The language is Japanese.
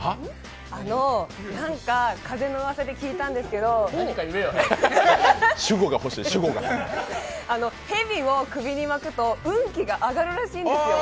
あの、何か風のうわさで聞いたんですけど蛇を首に巻くと運気が上がるらしいんですよ。